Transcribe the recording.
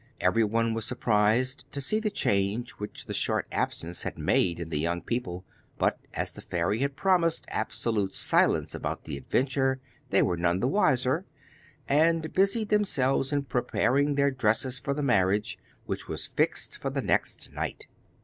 Everyone was surprised to see the change which the short absence had made in the young people, but as the fairy had promised absolute silence about the adventure, they were none the wiser, and busied themselves in preparing their dresses for the marriage, which was fixed for the next night.